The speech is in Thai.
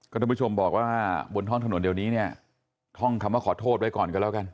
ท่านผู้ชมบอกว่าบนท้องถนนเดี๋ยวนี้เนี่ยท่องคำว่าขอโทษไว้ก่อนกันแล้วกัน